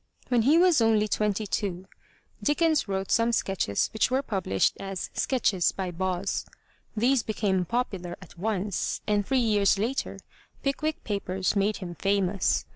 When he was only twenty two, Dickens wrote some sketches which were published as Sketches by Boz. These became popular at once, and three years later Pickwick Papers made him famous.